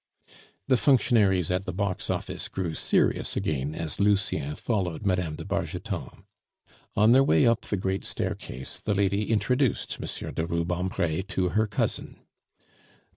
The functionaries at the box office grew serious again as Lucien followed Mme. de Bargeton. On their way up the great staircase the lady introduced M. de Rubempre to her cousin.